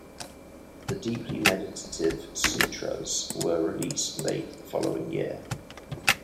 The deeply meditative "Sutras" was released late the following year.